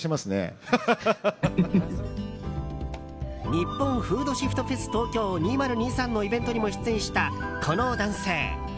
ニッポンフードシフトフェス東京２０２３のイベントにも出演した、この男性。